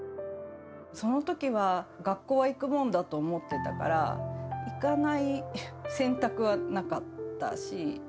そのときは、学校は行くものだと思ってたから、行かない選択はなかったし。